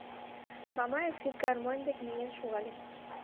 Мамаев фисгармонь дек миен шогале.